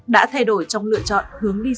đã thay đổi trong lựa chọn hướng đi